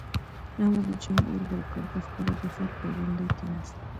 احمد د جنگ اور بل کړ، په خپله د خیر په غونډۍ کېناست.